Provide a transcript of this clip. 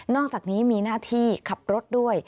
อกจากนี้มีหน้าที่ขับรถด้วย